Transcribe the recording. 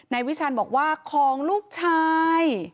วิชันบอกว่าของลูกชาย